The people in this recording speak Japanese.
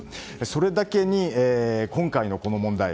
それだけに、今回のこの問題